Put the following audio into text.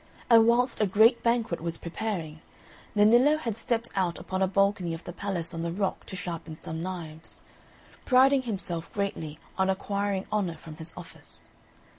And whilst a great banquet was preparing, Nennillo had stepped out upon a balcony of the palace on the rock to sharpen some knives, priding himself greatly on acquiring honour from his office.